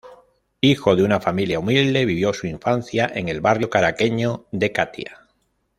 Hijo de una familia humilde, vivió su infancia en el barrio caraqueño de Catia.